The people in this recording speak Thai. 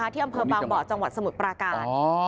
ที่อำเภอบางบ่อจังหวัดสมุทรปราการ